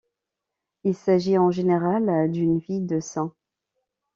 Il s'agit en général d'une vie de saint.